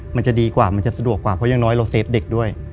มันจะดีกว่ามันจะสะดวกกว่าเพราะอย่างน้อยเราเซฟเด็กด้วย